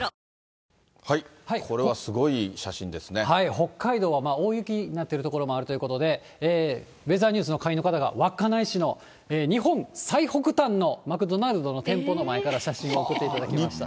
北海道は大雪になっている所もあるということで、ウェザーニューズの会員の方が、稚内市の日本最北端のマクドナルドの店舗の前から写真を送っていただきました。